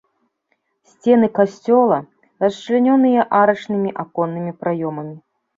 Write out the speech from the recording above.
Сцены касцёла расчлянёныя арачнымі аконнымі праёмамі.